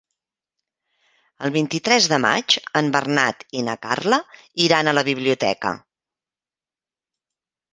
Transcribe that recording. El vint-i-tres de maig en Bernat i na Carla iran a la biblioteca.